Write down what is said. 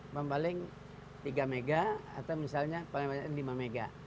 paling tiga mega atau misalnya paling banyak lima mega